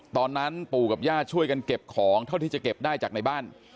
ตอนนั้นปู่กับย่าช่วยกันเก็บของเท่าที่จะเก็บได้จากในบ้าน